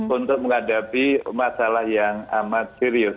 untuk menghadapi masalah yang amat serius